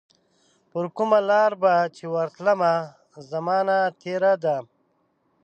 پرکومه لار به چي ورتلمه، زمانه تیره ده